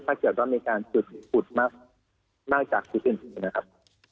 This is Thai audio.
ถ้าเกี่ยวกับในการขุดขุดมากมากจากจุดอื่นนะครับ